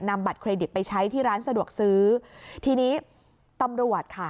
บัตรเครดิตไปใช้ที่ร้านสะดวกซื้อทีนี้ตำรวจค่ะ